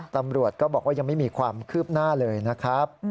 ตำรวจก็บอกว่ายังไม่มีความคืบหน้าเลยนะครับ